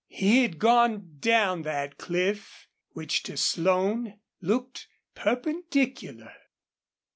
He had gone down that cliff, which to Slone looked perpendicular.